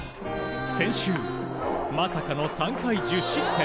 先週、まさかの３回１０失点。